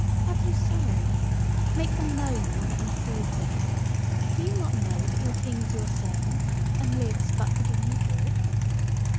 Have you sorrows? Make them known and let me soothe them. Do you not know that your King is your servant, and lives but to do you good?"